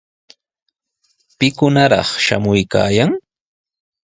¿Pikunataq shamuykaayan?